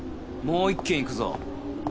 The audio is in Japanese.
もう一軒行くぞ。